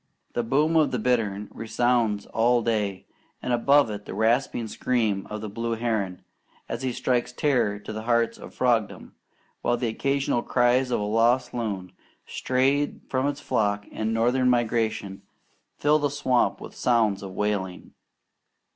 The boom of the bittern resounds all day, and above it the rasping scream of the blue heron, as he strikes terror to the hearts of frogdom; while the occasional cries of a lost loon, strayed from its flock in northern migration, fill the swamp with sounds of wailing.